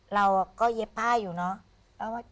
เราก็เย็บผ้าอยู่เนาะ